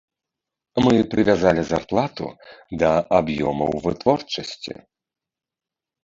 Мы прывязалі зарплату да аб'ёмаў вытворчасці.